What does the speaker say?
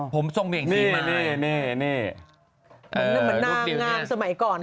ผมชงเบี่ยงสีไมล์